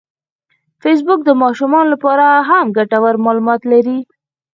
فېسبوک د ماشومانو لپاره هم ګټور معلومات لري